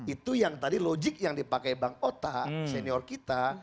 itu yang tadi logik yang dipakai bang ota senior kita